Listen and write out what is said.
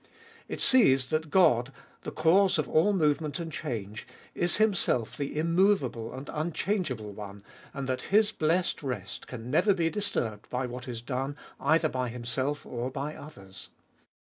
It sees that God, the cause of all move ment and change, is Himself the immovable and unchangeable 143 Gbe ibolfest or nil One, and that His blessed rest can never be disturbed by what is done either by Himself or by others.